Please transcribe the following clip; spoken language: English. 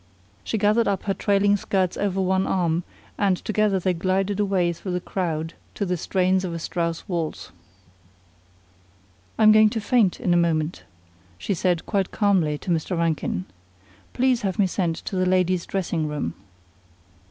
She gathered up her trailing skirts over one arm, and together they glided away through the crowd to the strains of a Strauss waltz. "I'm going to faint in a moment," she said quite calmly to Mr. Rankin. "Please have me sent to the ladies' dressing room."